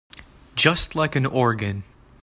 Just like an organ.